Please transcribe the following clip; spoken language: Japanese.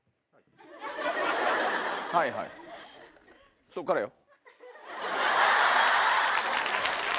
はいはいそっからよ。